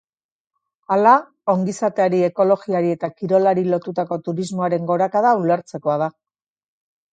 Hala, ongizateari, ekologiari eta kirolari lotutako turismoaren gorakada ulertzekoa da.